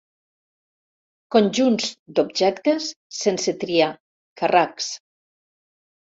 Conjunts d'objectes sense triar, carracs.